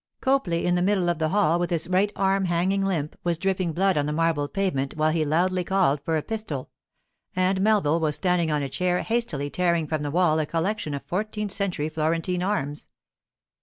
Copley, in the middle of the hall, with his right arm hanging limp, was dripping blood on the marble pavement while he loudly called for a pistol; and Melville was standing on a chair hastily tearing from the wall a collection of fourteenth century Florentine arms.